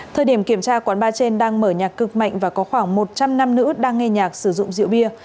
thời điểm kiểm tra quán bar trên đang mở nhạc cực mạnh và có khoảng một trăm linh nam nữ đang nghe nhạc sử dụng rượu bia